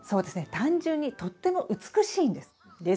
単純にとっても美しいんです。